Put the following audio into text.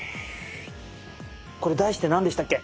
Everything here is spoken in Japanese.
これ題して何でしたっけ？